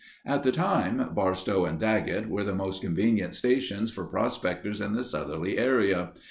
At the time, Barstow and Daggett were the most convenient stations for prospectors in the southerly area.